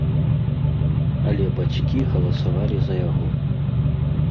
Але бацькі галасавалі за яго.